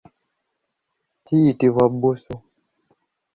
Kiyitibwa bbusu.